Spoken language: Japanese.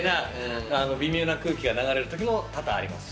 微妙な空気が流れるときも多々ありますしね。